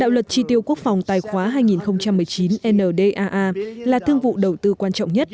đạo luật tri tiêu quốc phòng tài khoá hai nghìn một mươi chín ndaa là thương vụ đầu tư quan trọng nhất